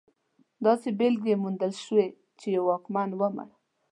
داسې بېلګې موندلی شو چې یو واکمن ومړ.